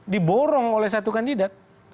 diborong oleh satu kandidat